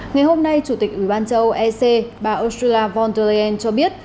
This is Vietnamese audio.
ngày hôm nay chủ tịch ủy ban châu âu ec bà ursula von der leyen cho biết